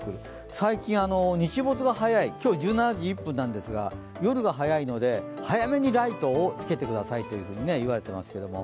最近、日没が早い今日１７時１分ですが夜が早いので、早めにライトをつけてくださいといわれてますけども。